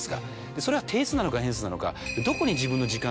それは定数なのか変数なのか。